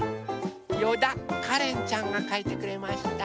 よだかれんちゃんがかいてくれました。